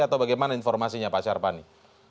atau bagaimana informasinya pak syarpani